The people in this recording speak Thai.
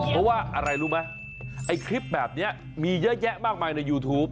เพราะว่าอะไรรู้ไหมไอ้คลิปแบบนี้มีเยอะแยะมากมายในยูทูป